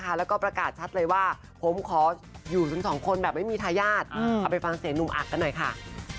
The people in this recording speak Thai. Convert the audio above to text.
ก็เลยอาจจะเลื่อนเป็นปีหน้าแทนค่ะ